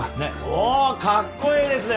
おおかっこいいですね